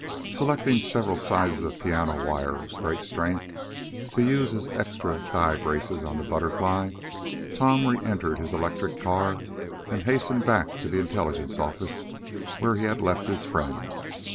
Selecting several sizes of piano wire of great strength, to use as extra guy braces on the Butterfly, Tom re entered his electric car, and hastened back to the intelligence office, where he had left his friend.